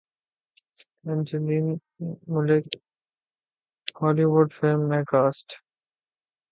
Angeline Malik Hollywood film میں cost